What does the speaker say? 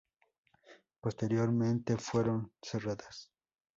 Posteriormente, fueron cerradas.